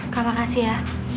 kak makasih ya